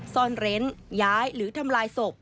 ซ่อนเร้นย้ายหรือทำลายศพ